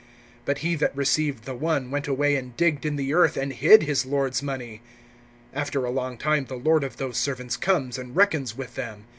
(18)But he that received the one went away and digged in the earth, and hid his lord's money. (19)After a long time the lord of those servants comes, and reckons with them.